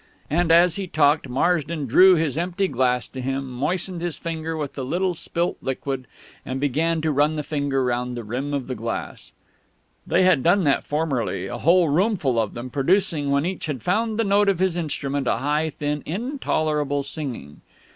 And as he talked, Marsden drew his empty glass to him, moistened his finger with a little spilt liquid, and began to run the finger round the rim of the glass. They had done that formerly, a whole roomful of them, producing, when each had found the note of his instrument, a high, thin, intolerable singing.